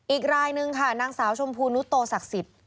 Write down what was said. อีกรายนึงค่ะนางสาวชมพูนุโตศักดิ์สิทธิ์